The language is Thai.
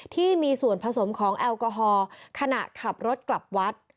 ที่มีส่วนผสมของแอลกอฮอล์ขณะขับรถกลับวัด